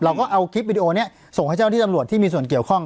เราก็เอาคลิปวิดีโอนี้ส่งให้เจ้าที่ตำรวจที่มีส่วนเกี่ยวข้อง